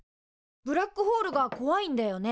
ブラックホールがこわいんだよね。